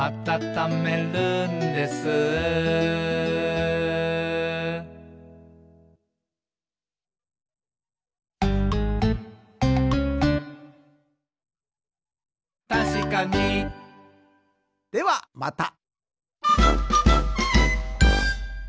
「たしかに！」ではまた。